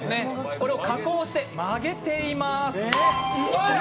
これを加工して曲げています。